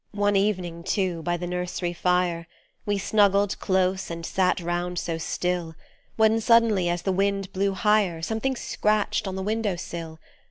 One evening, too, by the nursery fire, We snuggled close and sat round so still, When suddenly as the wind blew higher, Something scratched on the window sill.